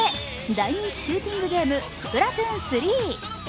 大人気シューティングゲーム、「スプラトゥーン３」。